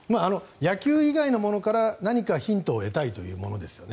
野球以外のものから何かヒントを得たいというものですよね。